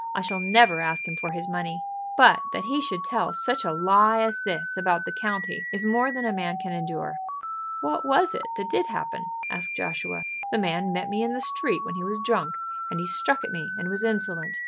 I shall never ask him for his money. But that he should tell such a lie as this about the county is more than a man can endure." "What was it that did happen?" asked Joshua. "The man met me in the street when he was drunk, and he struck at me and was insolent.